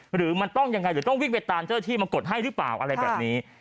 หรือมันต้องยังไงหรือต้องวิ่งไปตามเจ้าที่มากดให้หรือเปล่าอะไรแบบนี้